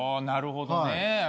なるほどね。